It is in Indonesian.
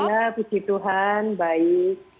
alhamdulillah puji tuhan baik